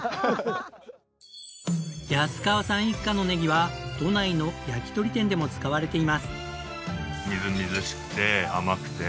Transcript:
安川さん一家のねぎは都内の焼き鳥店でも使われています。